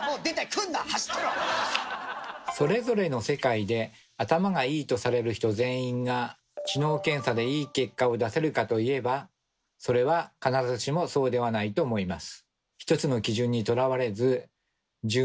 それぞれの世界で頭がいいとされる人全員が知能検査でいい結果を出せるかといえばそれは必ずしもそうではないと思います。